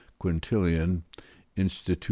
Quintilian, Instit.